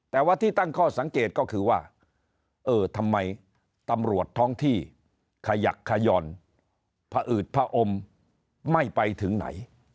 แต่ว่าที่ตั้งข้อสังเกตก็คือว่าเออทำไมตำรวจท้องที่ขยักขย่อนผอืดผอมไม่ไปถึงไหน